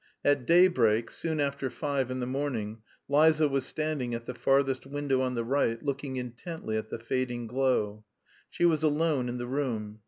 At daybreak, soon after five in the morning, Liza was standing at the farthest window on the right looking intently at the fading glow. She was alone in the room.